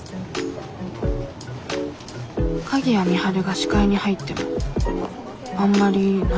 鍵谷美晴が視界に入ってもあんまり何も感じない自分。